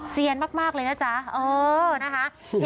เซียนมากเลยนะจ๊ะนะคะ